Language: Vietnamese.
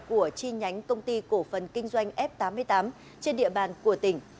của chi nhánh công ty cổ phần kinh doanh f tám mươi tám trên địa bàn của tỉnh